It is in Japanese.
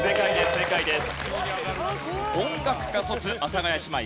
正解です。